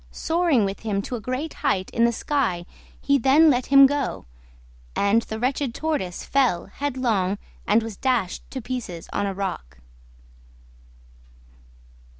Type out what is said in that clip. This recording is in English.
Soaring with him to a great height in the sky he then let him go, and the wretched Tortoise fell headlong and was dashed to pieces on a rock.